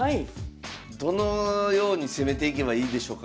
どのように攻めていけばいいでしょうか？